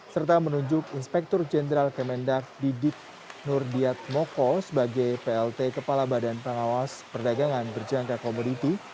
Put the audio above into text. serta menunjuk inspektur jenderal kemendak didit nurdiat moko sebagai plt kepala badan pengawas perdagangan berjangka komoditi